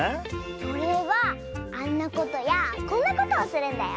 それはあんなことやこんなことをするんだよ。